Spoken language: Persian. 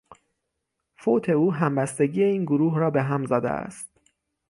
فوت او همبستگی این گروه را به هم زده است.